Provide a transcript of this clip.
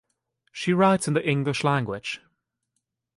She writes in the English language.